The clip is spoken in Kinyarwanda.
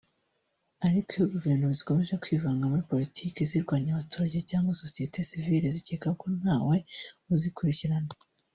Ariko iyo guverinoma zikomeje kwivanga muri politiki zirwanya abaturage cyangwa sosiyete sivile zikeka ko ntawe uzikurikirana